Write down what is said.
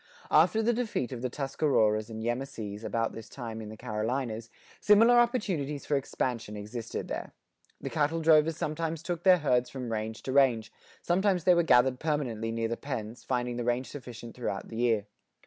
After the defeat of the Tuscaroras and Yemassees about this time in the Carolinas, similar opportunities for expansion existed there. The cattle drovers sometimes took their herds from range to range; sometimes they were gathered permanently near the pens, finding the range sufficient throughout the year.